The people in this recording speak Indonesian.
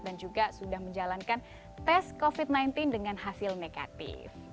dan juga sudah menjalankan tes covid sembilan belas dengan hasil negatif